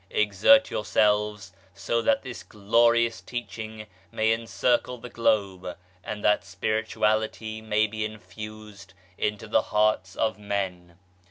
Exert yourselves so that this glorious teaching may encircle the globe, and that spirituality may be infused into the hearts of men.